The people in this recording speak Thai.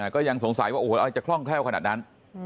ก็ยังสงสัยว่าโอ้โหอะไรจะคล่องแคล่วขนาดนั้น